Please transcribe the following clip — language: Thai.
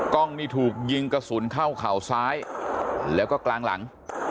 กล้องนี่ถูกยิงกระสุนเข้าเข่าซ้ายแล้วก็กลางหลัง